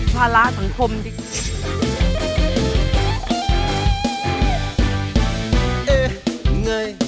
พาราสังคมดิ